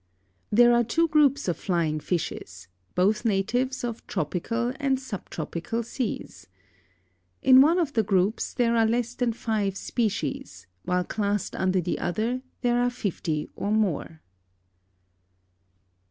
There are two groups of Flying Fishes, both natives of tropical and sub tropical seas. In one of the groups there are less than five species, while classed under the other there are fifty or more.